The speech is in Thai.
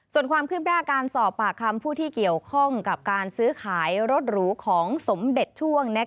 ส่วนความคืบหน้าการสอบปากคำผู้ที่เกี่ยวข้องกับการซื้อขายรถหรูของสมเด็จช่วง